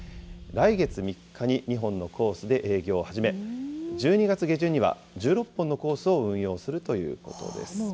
来月３日に２本のコースで営業を始め、１２月下旬には１６本のコースを運用するということです。